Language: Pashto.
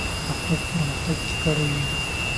پښتو به پرمختګ کړی وي.